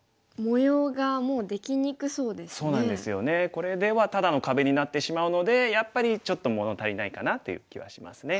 これではただの壁になってしまうのでやっぱりちょっと物足りないかなという気はしますね。